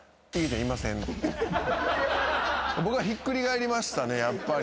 僕はひっくり返りましたねやっぱり。